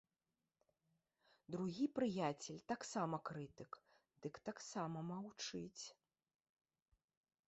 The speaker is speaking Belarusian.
Другі прыяцель таксама крытык, дык таксама маўчыць.